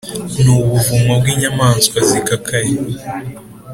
nubuvumo bwinyamanswa zikakaye